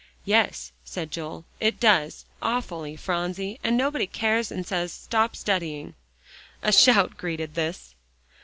"Yes," said Joel, "it does, awfully, Phronsie; and nobody cares, and says 'Stop studying." A shout greeted this.